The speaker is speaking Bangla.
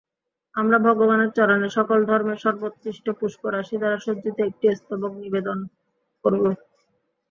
আমরা ভগবানের চরণে সকল ধর্মের সর্বোৎকৃষ্ট পুষ্পরাশি দ্বারা সজ্জিত একটি স্তবক নিবেদন করিব।